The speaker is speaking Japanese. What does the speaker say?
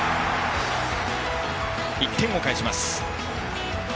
１点を返します。